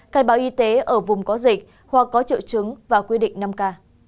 khai báo y tế ở vùng có dịch hoặc có triệu chứng và quy định năm k